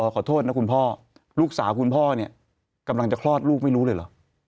ขอโทษนะคุณพ่อลูกสาวคุณพ่อเนี่ยกำลังจะคลอดลูกไม่รู้เลยเหรอ